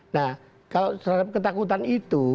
nah kalau terhadap ketakutan itu